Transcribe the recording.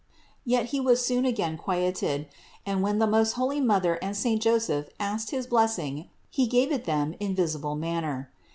Yet He was soon again quieted ; and when the most holy Mother and saint Joseph asked his blessing He gave it them in visible manner.